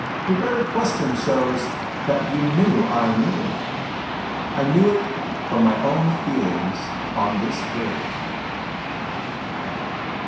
Your very question shows that you knew I knew.^ I knew it from my own feeliigs on this bridge."